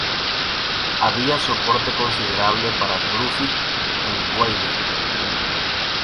Había soporte considerable para Gruffydd en Gwynedd.